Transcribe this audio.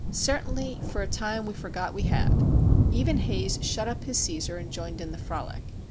Certainly, for a time we forgot we had! Even Haze shut up his Cæsar, and joined in the frolic.